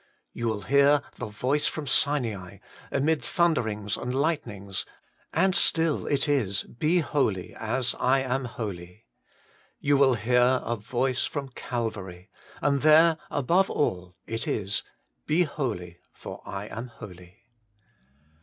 You will hear the voice from Sinai, amid thunderings and lightnings, and still it is, Be holy, as I am holy. You will hear a voice from Calvary, and there above all it is, Be holy, for I am holy.